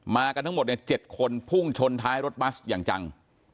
กันทั้งหมด๗คนพุ่งชนท้ายรถบัสอย่างจัง